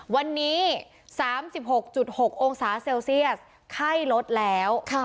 วันนี้สามสิบหกจุดหกองศาเซลเซียสไข้ลดแล้วค่ะ